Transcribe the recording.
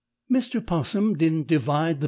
] Mr. 'Possum didn't divide the P.